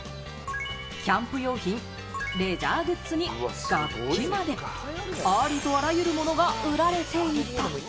キャンプ用品、レジャーグッズに楽器まで、ありとあらゆるものが売られていた。